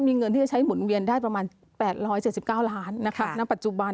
มีเงินที่จะใช้หมุนเวียนได้ประมาณ๘๗๙ล้านนะครับณปัจจุบัน